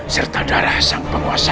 serta darah sang penguasa